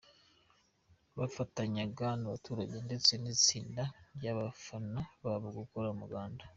Bafatanyaga n’abaturage ndetse n’itsinda ry’abafana babo gukora umuganda .